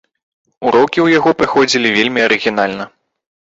Урокі ў яго праходзілі вельмі арыгінальна.